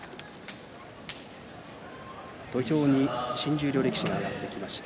土俵に新十両力士が上がってきました。